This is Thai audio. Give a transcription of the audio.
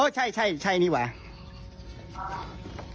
อ๋อใช่ใช่ใช่นี่แหวะ